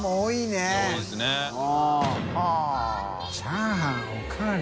チャーハンはい。